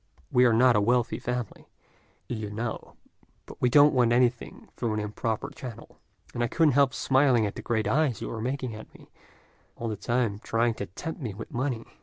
"We are not a wealthy family, you know, but we don't want anything through an improper channel; and I couldn't help smiling at the great eyes you were making at me, all the time trying to tempt me with money.